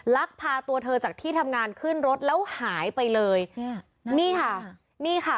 ลักพาตัวเธอจากที่ทำงานขึ้นรถแล้วหายไปเลยเนี่ยนี่ค่ะนี่ค่ะ